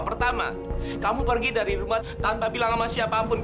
pertama kamu pergi dari rumah tanpa bilang sama siapapun